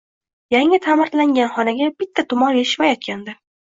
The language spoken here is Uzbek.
Yangi ta`mirlangan xonaga bitta tumor etishmayotgandi